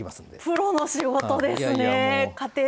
プロの仕事ですね！